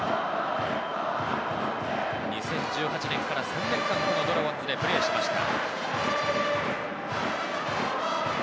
２０１８年から３年間、このドラゴンズでプレーしました。